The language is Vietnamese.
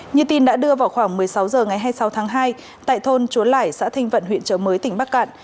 như tin đã đưa vào khoảng một mươi sáu h ngày hai mươi sáu tháng hai tại thôn chúa lải xã thinh vận huyện trở mới tỉnh bắc cạn